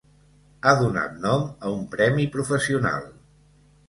Ha donat nom a un premi professional.